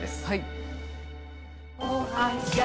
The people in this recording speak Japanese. はい。